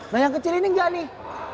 nah yang kecil ini enggak nih